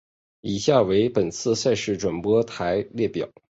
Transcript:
以下为本次赛事转播台列表。